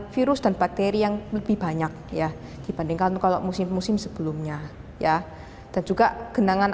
virus dan bakteri yang lebih banyak ya dibandingkan kalau musim musim sebelumnya ya dan juga genangan